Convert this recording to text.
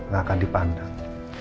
gak akan dipandang